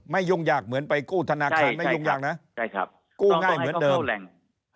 ยุ่งยากเหมือนไปกู้ธนาคารไม่ยุ่งยากนะกู้ง่ายเหมือนเดิม